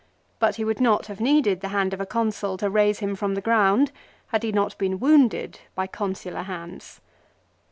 But he would not have needed the hand of a Consul to raise him from the ground, had he not been wounded by consular hands.